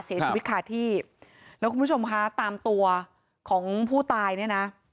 เสียชีวิตคาที่แล้วคุณผู้ชมคะตามตัวของผู้ตายเนี่ยนะ